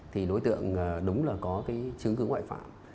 thì đối tượng đúng là có cái chứng cứ ngoại phạm